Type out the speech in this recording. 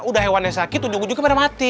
udah hewannya sakit ujung ujungnya pada mati